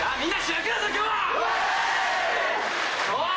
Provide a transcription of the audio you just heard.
おい！